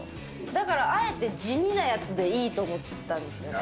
だから、あえて地味なやつでいいと思ったんですよね。